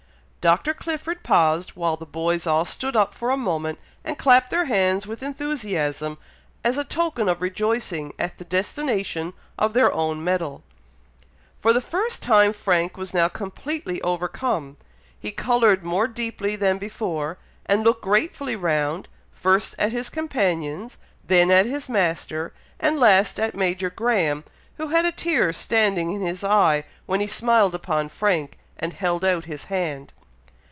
Dr. Clifford paused, while the boys all stood up for a moment and clapped their hands with enthusiasm, as a token of rejoicing at the destination of their own medal. For the first time Frank was now completely overcome, he coloured more deeply than before, and looked gratefully round, first at his companions, then at his master, and last at Major Graham, who had a tear standing in his eye when he smiled upon Frank, and held out his hand.